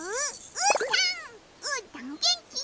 うーたんげんきげんき！